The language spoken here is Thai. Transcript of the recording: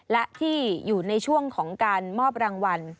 และที่อยู่ในช่วงของการมอบรางวัล